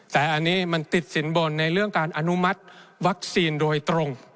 แต่อันนี้มันติดสินบนในเรื่องการอนุมัติวัคซีนโดยตรง